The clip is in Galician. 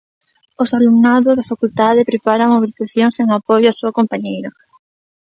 Os alumnado da facultade prepara mobilizacións en apoio á súa compañeira.